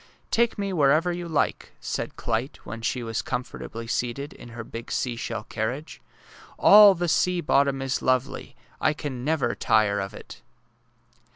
*^ Take me wherever you like," said Clyte, when she was comfortably seated in her big seashell carriage. '' All the sea bottom is lovely. I can never tire of it!